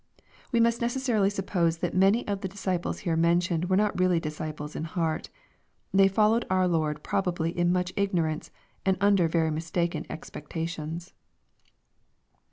] We must necessarily suppose that many of the disciples here mentioned were not really disciples iu heart. They followed our Lord probably in much ignorance, and under very mistaken expectations.